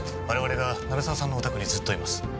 我々が鳴沢さんのお宅にずっといます